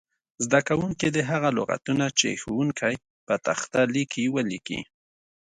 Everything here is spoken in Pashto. زده کوونکي دې هغه لغتونه چې ښوونکی په تخته لیکي ولیکي.